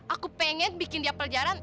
aku pengen bikin dia perjalanan